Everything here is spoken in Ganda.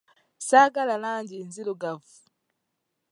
Saagala langi nzirugavu.